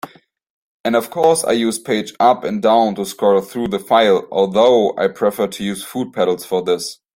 And of course I use page up and down to scroll through the file, although I prefer to use foot pedals for this.